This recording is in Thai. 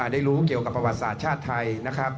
ได้รู้เกี่ยวกับประวัติศาสตร์ชาติไทยนะครับ